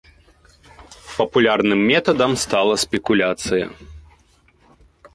Папулярным метадам стала спекуляцыя.